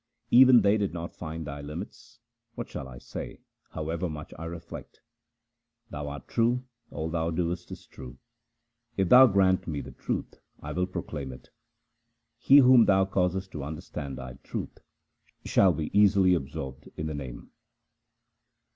2 Even they did not find Thy limits ; what shall I say, however much I reflect ? Thou art true, all Thou doest is true ; if Thou grant me the truth, I will proclaim it. He whom Thou causest to understand Thy truth, shall be easily absorbed in the Name.